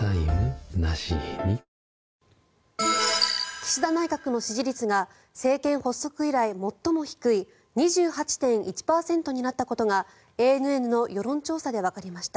岸田内閣の支持率が政権発足以来最も低い２８．１％になったことがＡＮＮの世論調査でわかりました。